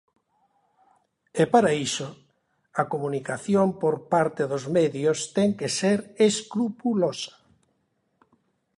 E para iso, a comunicación por parte dos medios ten que ser escrupulosa.